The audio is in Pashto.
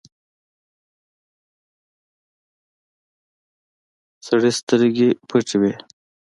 سړي سترګې پټې وې.